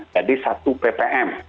jadi satu ppm